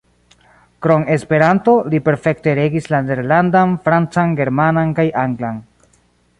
Krom Esperanto, li perfekte regis la nederlandan, francan, germanan kaj anglan.